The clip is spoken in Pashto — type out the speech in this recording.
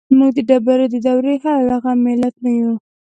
موږ د ډبرې د دورې هغه ملت نه يو.